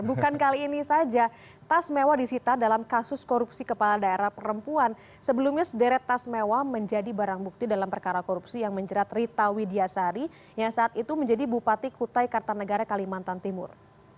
bukan kali ini saja tas mewah disita dalam kasus korupsi kepala daerah perempuan sebelumnya sederet tas mewah menjadi barang bukti dalam perkara korupsi yang menjerat rita widiasari yang saat itu menjadi bupati kutai kartanegara kalimantan timur